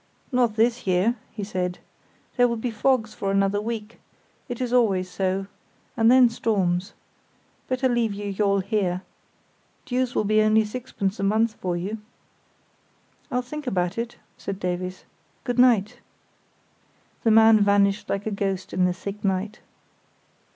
"Not this year," he said; "there will be fogs for another week; it is always so, and then storms. Better leave your yawl here. Dues will be only sixpence a month for you. "I'll think about it," said Davies. "Good night." The man vanished like a ghost in the thick night.